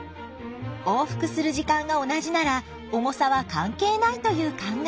往復する時間が同じなら重さは関係ないという考え。